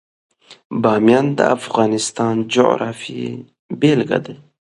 بامیان د افغانستان د جغرافیې بېلګه ده.